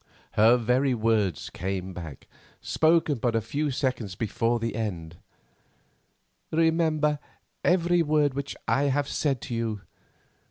Her very words came back, spoken but a few seconds before the end:—"Remember every word which I have said to you.